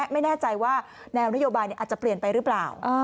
ไม่แน่ใจว่าแนวนโยบายอาจจะเปลี่ยนไปหรือเปล่า